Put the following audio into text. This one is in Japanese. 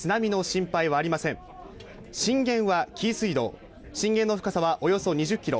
震源は紀伊水道、震源の深さはおよそ２０ｋｍ。